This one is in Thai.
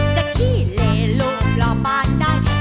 จะขี้เหลลุมรอบบ้านหน้าย